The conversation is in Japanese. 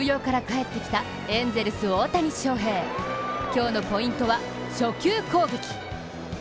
今日のポイントは初球攻撃。